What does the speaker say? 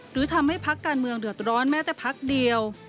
หรือทำให้พักการเมืองเดือดร้อนแม้แต่พักเดียว